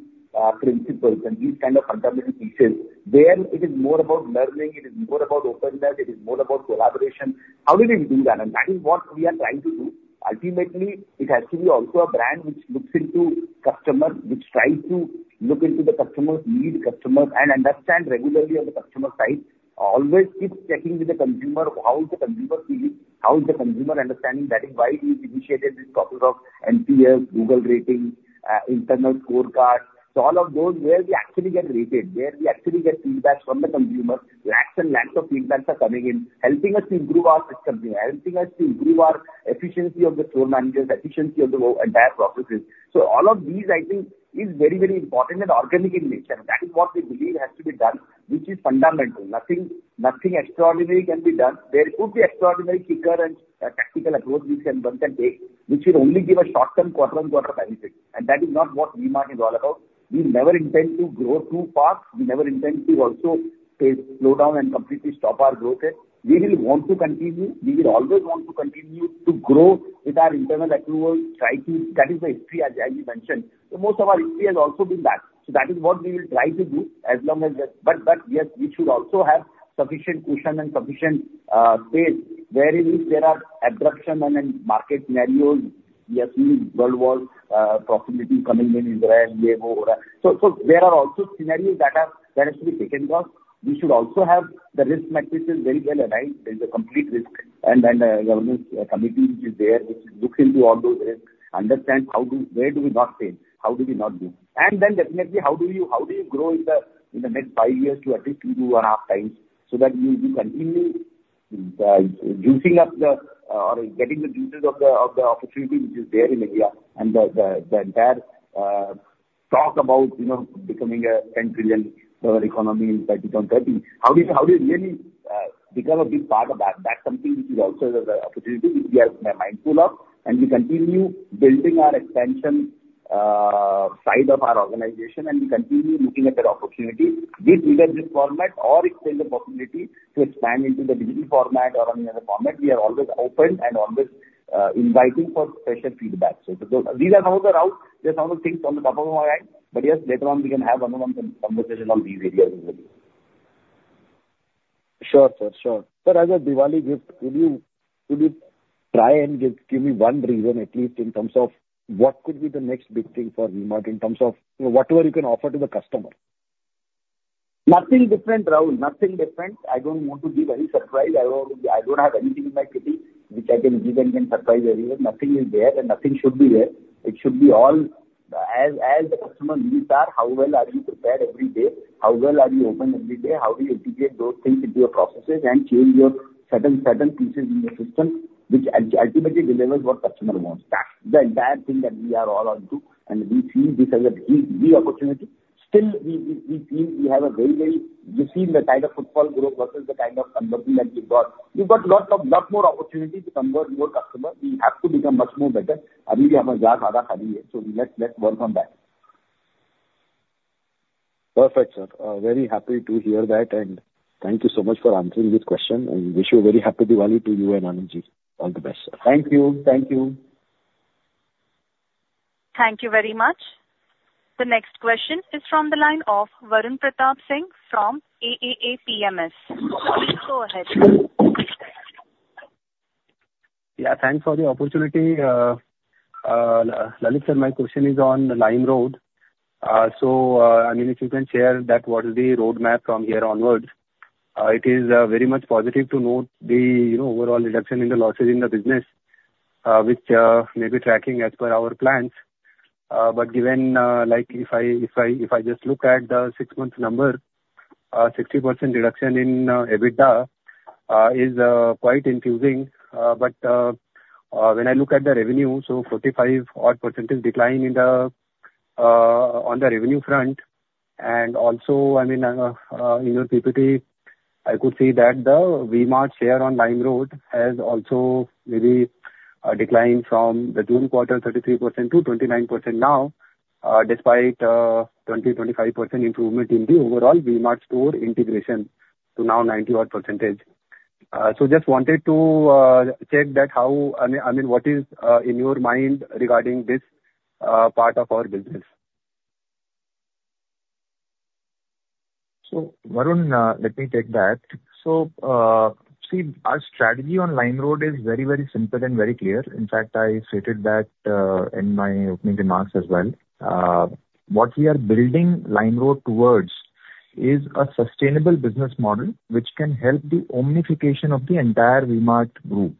principles and these kind of fundamental pieces where it is more about learning, it is more about openness, it is more about collaboration. How do we do that, and that is what we are trying to do. Ultimately it has to be also a brand which looks into customers, which try to look into the customers, need customers and understand regularly of the customer side. Always keep checking with the consumer. How is the consumer feeling? How is the consumer understanding? That is why we initiated this process of NPS Google Ratings internal scorecard. So all of those where we actually get rated, where we actually get feedback from the consumer, lakhs and lakhs of feedback are coming in helping us to improve our. Helping us to improve our efficiency of the store manager, efficiency of the entire processes. So all of these I think is very, very important and organic in nature. That is what we believe has to be done, which is fundamental. Nothing extraordinary can be done. There could be extraordinary kicker and tactical approach we can take which will only give a short term quarter-on-quarter benefit. And that is not what V-Mart is all about. We never intend to grow too fast. We never intend to also slow down and completely stop our growth. Want to continue. We will always want to continue to grow with our internal accruals. That is the history as you mentioned, so most of our history has also been that, so that is what we will try to do as long as. But yes, we should also have sufficient cushion and sufficient space wherein if there are disruption and market scenarios, yes, we have possibilities coming externally. So there are also scenarios that. That has to be taken off. We should also have the risk matrices very well aligned. There is a complete Risk and Governance Committee which is there which looks into all those risks understands how do? Where do we not fail? How do we not do. And then definitely how do you. How do you grow in the next five years to at least 2.5x so that you continue juicing up the opportunity or getting the juices of the opportunity which is there in India and talk about, you know, becoming a $10 trillion economy in 2030. How do you really become a big part of that? That's something which is also the opportunity which we are mindful of and we continue building our expansion side of our organization and we continue looking at that opportunity with either this format or extend the possibility to expand into the digital format or any other format. We are always open and always inviting for special feedback. So these are some of the routes. There's some of the things on the top of my mind. But yes, later on we can have conversation on these areas. Sure sir, sure. But as a Diwali gift, could you try and give me one reason at least in terms of what could be the next big thing for V-Mart in terms of whatever you can offer to the customer. Nothing different, Rahul. Nothing different. I don't want to give any surprise. I don't have anything in my which I can give and can surprise everyone. Nothing is there and nothing should be there. It should be all as the customer needs are how well are you prepared every day, how well are you open every day? How do you integrate those things into your processes and change your certain pieces in the system which ultimately delivers what customer wants. That's the entire thing that we are all onto and we see this as an opportunity. Still we feel we have a very, very disciplined team seeing the kind of footfall growth versus the kind of conversion that you got. You've got lots and lots more opportunity to convert your customer. We have to become much better. So let's work on that. Perfect sir, very happy to hear that. Thank you so much for answering this question and wish you a very Happy Diwali. To you and Anand ji, all the best. Thank you. Thank you. Thank you very much. The next question is from the line of Varun Pratap Singh from AAA PMS. Please go ahead. Yeah, thanks for the opportunity. My question is on LimeRoad. So I mean if you can share what is the roadmap from here onwards? It is very much positive to note the overall reduction in the losses in the business, which may be tracking as per our plans. But given, like, if I just look at the six-month number, 60% reduction in EBITDA is quite confusing. But when I look at the revenue, so 45%-odd decline on the revenue front, and also, I mean, in your PPT, I could see that the V-Mart share on LimeRoad has also maybe declined from the June quarter 33% to 29% now, despite 20%-25% improvement in the overall V-Mart store integration to now 90%-odd. So just wanted to check that, how, I mean, what is in your mind regarding this part of our business? So Varun, let me take that. See, our strategy on LimeRoad is very, very simple and very clear. In fact, I stated that in my opening remarks as well. What we are building LimeRoad towards is a sustainable business model which can help the omnichannel of the entire V-Mart group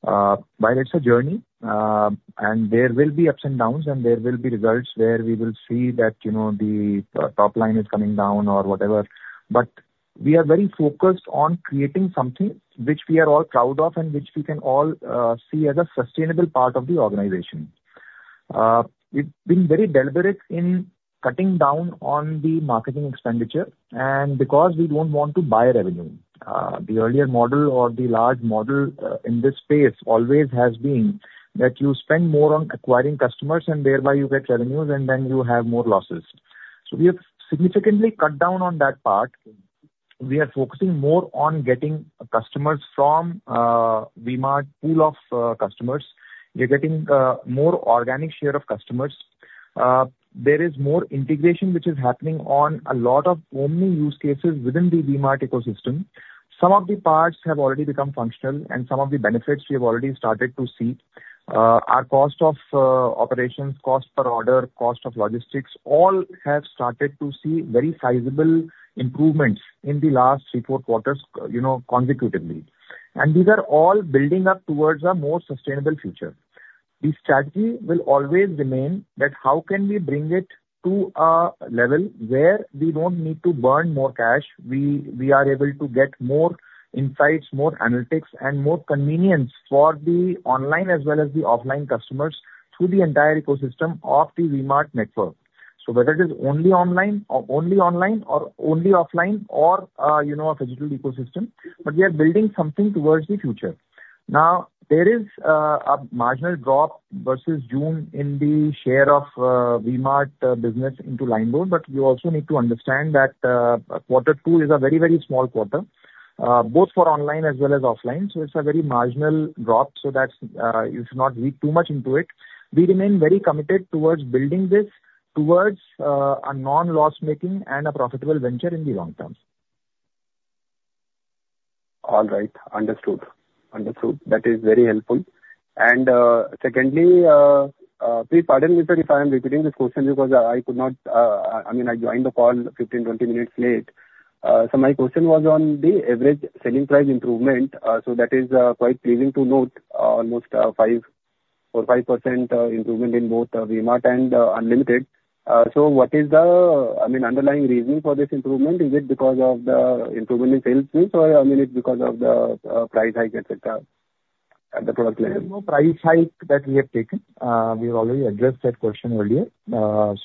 while it's a journey and there will be ups and downs and there will be results where we will see that you know the top line is coming down or whatever. But we are very focused on creating something which we are all proud of and which we can all see as a sustainable part of the organization. We've been very deliberate in cutting down on the marketing expenditure and because we don't want to buy revenue. The earlier model or the loss model in this space always has been that you spend more on acquiring customers and thereby you get revenues and then you have more loss. So we have significantly cut down on that part. We are focusing more on getting customers from V-Mart pool of customers. You're getting more organic share of customers. There is more integration which is happening on a lot of omni use cases within the V-Mart ecosystem. Some of the parts have already become functional and some of the benefits we have already started to see, our cost of operations, cost per order, cost of logistics, all have started to see very sizable improvements in the last three, four quarters consecutively. These are all building up towards a more sustainable future. The strategy will always remain that how can we bring it to a level where we don't need to burn more cash. We are able to get more insights, more analytics and more convenience for the online as well as the offline customers through the entire ecosystem of the V-Mart network. So whether it is only online or only online or only offline or you know, a digital ecosystem, but we are building something towards the future. Now there is a marginal drop versus June in the share of V-Mart business in LimeRoad. But you also need to understand that for quarter two is a very, very small quarter both for online as well as offline. So it's a very marginal drop. So that's, you should not read too much into it. We remain very committed towards building this towards a non loss making and a profitable venture in the long term. All right, understood, understood. That is very helpful. And secondly, please pardon me sir if I am repeating this question because I could not, I mean I joined the call 15, 20 minutes late. So my question was on the average selling price improvement. So that is quite pleasing to note. Almost 4% or 5% improvement in both V-Mart and Unlimited. So what is the, I mean underlying reason for this improvement? Is it because of the improvement in sales mix or I mean it's because of the price hike etc at the product level. Price hike that we have taken. We have already addressed that question earlier.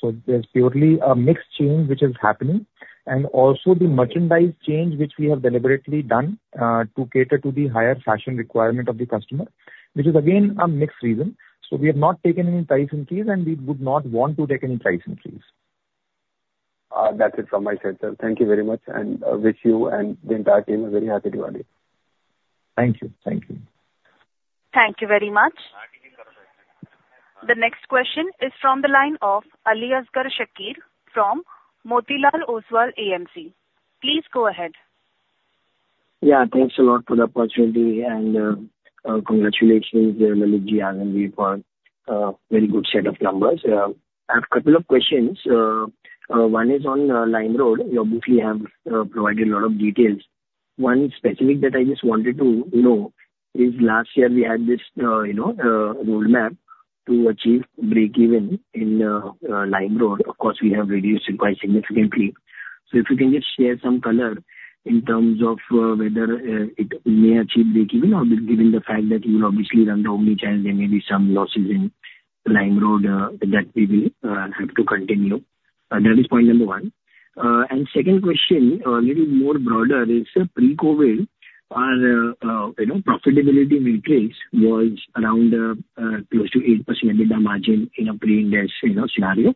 So there's purely a mix change which is happening and also the merchandise change which we have deliberately done to cater to the higher fashion requirement of the customer, which is again a mixed reason. So we have not taken any price increase and we would not want to take any price increase. That's it from my side, sir. Thank you very much and wish you and the entire team a very Happy Diwali. Thank you. Thank you. Thank you very much. The next question is from the line of Aliasgar Shakir from Motilal Oswal AMC. Please go ahead. Yeah, thanks a lot for the opportunity and congratulations for very good set of numbers. I have a couple of questions. One is on LimeRoad. You have provided a lot of details. One specific that I just wanted to know is last year we had this, you know, roadmap to achieve breakeven in LimeRoad. Of course we have reduced it quite significantly. So if you can just share some color in terms of whether it may achieve break even or given the fact that you will obviously run the omnichannel, there may be some losses in LimeRoad that we will have to continue. That is point number one. Second question a little more broader is pre-COVID, our profitability matrix was around close to 8% EBITDA margin in a pre-Ind AS scenario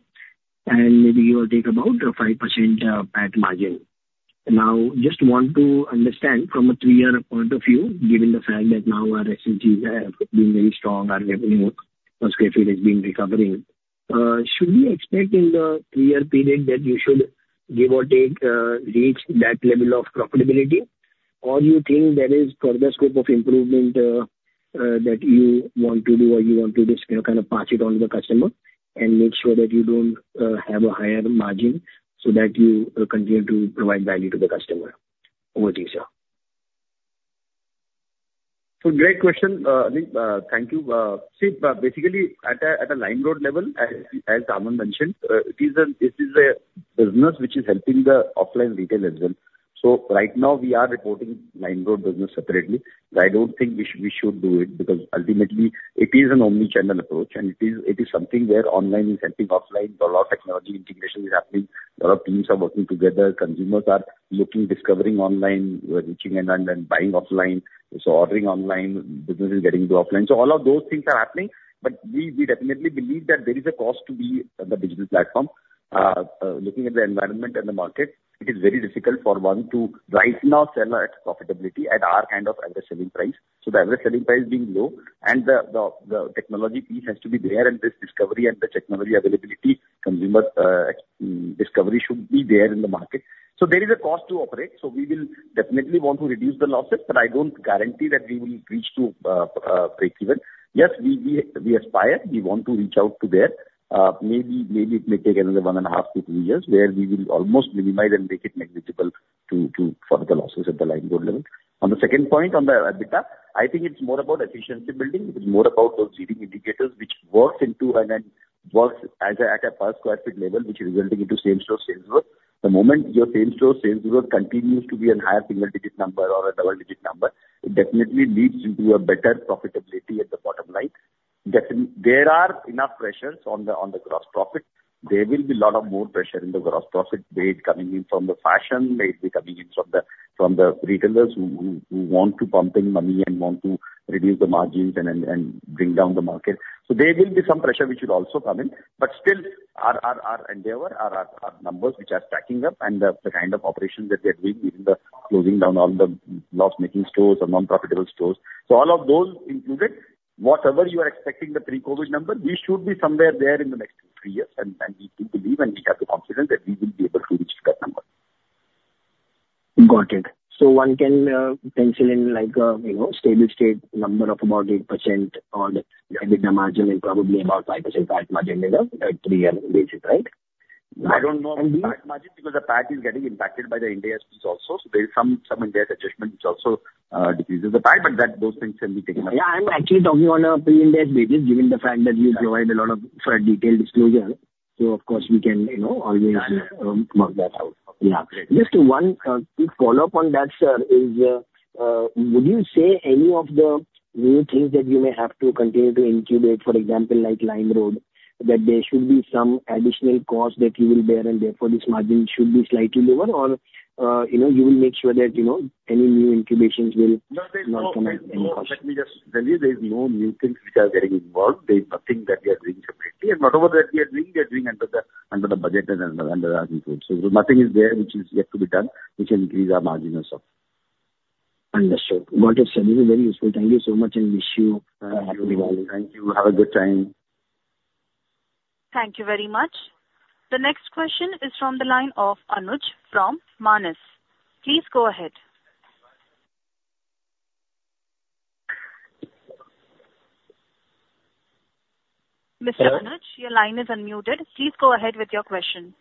and maybe you will take about 5% PAT margin. I just want to understand from a three-year point of view, given the fact that now our SSG has been very strong, our revenue per square feet has been recovering. Should we expect, in the clear opinion that you should give, or take, reach that level of profitability or you think there is further scope of improvement that you want to do or you want to just kind of pass it on to the customer and make sure that you don't have a higher margin so that you continue to provide value to the customer? Over to you, sir. So great question. Thank you. So basically at a LimeRoad level. As Anand mentioned, this is a business which is helping the offline retail as well. So right now we are reporting LimeRoad business separately. I don't think we should do it because ultimately it is an omnichannel approach and it is something where online is helping offline. A lot of technology integration is happening, a lot of teams are working together, consumers are looking, discovering online, reaching an end and buying offline. So ordering online business is getting to offline. So all of those things are happening. But we definitely believe that there is a cost to be the digital platform looking at the environment and the market. It is very difficult for one to right now sell at profitability at our kind of average selling price. So, the average selling price being low and the technology piece has to be there, and this discovery and the technology availability consumer discovery should be there in the market. There is a cost to operate. So we will definitely want to reduce the losses. Right. But I don't guarantee that we will reach to break even. Yes, we aspire we want to reach out to there. Maybe it may take another one and a half to two years where we will almost minimize and make it negligible for the losses at the LimeRoad level. On the second point on the EBITDA I think it's more about efficiency building more about those leading indicators which works into and then works at a per square feet level which is resulting into Same Store Sales Growth. The moment your Same Store Sales Growth continues to be a higher single digit number or a double digit number it definitely leads into a better profitability at the bottom line. There are enough pressures on the gross profit. There will be a lot of more pressure in the gross profit made coming in from the fashion, maybe coming in from the retailers who want to pump in money and want to reduce the margins and bring down the market. So there will be some pressure which will also come in, but still our endeavor are numbers which are stacking up and the kind of operations that we are doing, closing down all the loss-making stores or non-profitable stores, so all of those included, whatever you are expecting, the pre-COVID number we should be somewhere there in the next three years and we do believe and we have the confidence that we will be able to reach that number. Got it. One can pencil in like a stable state number of about 8% or EBITDA margin is probably about 5% margin on a three-year basis. Right. I don't know because the PAT is getting impacted by the Ind AS also. So there is some Ind AS adjustment which also decreases the pie, but those things can be taken up. Yeah, I'm actually talking on a pre-Ind AS basis given the fact that you provide a lot of for a detailed disclosure. So of course we can, you know, always work that out. Yeah, just one quick follow up on that, sir, is, would you say, any of the new things that you may have to continue to incubate, for example like LimeRoad, that there should be some additional cost that you will bear and therefore this margin should be slightly lower or you know you will make sure that you know any new incubations will. Let me just tell you there is no new things which are getting involved. There is nothing that we are doing separately and whatever that we are doing we are doing under the budget. And so nothing is there which is yet to be done which increase our margins. Understood. What you said. This is very useful. Thank you so much and wish you a Happy Diwali. Thank you. Have a good time. Thank you very much. The next question is from the line of Anuj from Manas. Please go ahead. Mr. Anuj, your line is unmuted. Please go ahead with your question.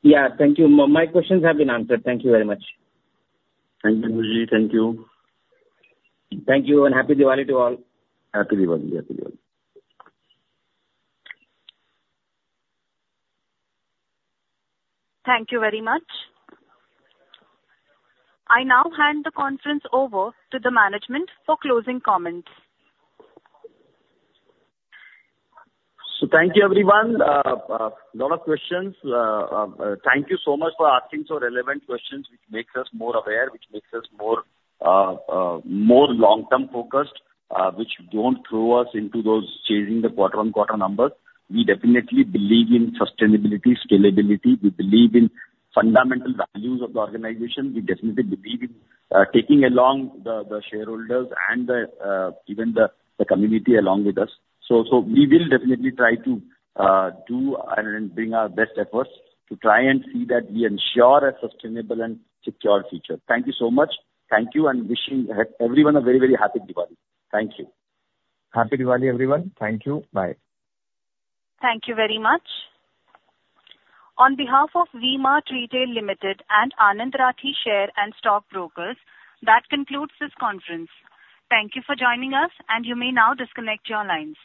Yeah. Thank you. My questions have been answered. Thank you very much. Thank you. Thank you. And Happy Diwali to all. Happy Diwali. Thank you very much. I now hand the conference over to the management for closing comments. Thank you everyone. Lots of questions. Thank you so much for asking such relevant questions, which makes us more aware, which makes us more long-term focused, which don't throw us into those chasing the quarter-on-quarter numbers. We definitely believe in sustainability, scalability. We believe in fundamental values of the organization. We definitely believe in taking along the shareholders and even the community along with us. So we will definitely try to do and bring our best efforts to try and see that we ensure a sustainable and secure future. Thank you so much. Thank you and wishing everyone a very, very Happy Diwali. Thank you. Happy Diwali everyone. Thank you. Bye. Thank you very much on behalf of V-Mart Retail Limited and Anand Rathi Share and Stock Brokers. That concludes this conference. Thank you for joining us. And you may now disconnect your lines.